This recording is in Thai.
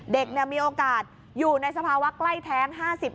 เด็กมีโอกาสอยู่ในสภาวะใกล้แท้ง๕๐